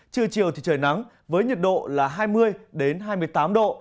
trưa chiều thì trời nắng với nhiệt độ là hai mươi hai mươi tám độ